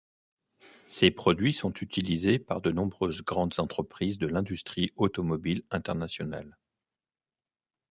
Ces produits sont utilisés par de nombreuses grandes entreprises de l'industrie automobile internationale.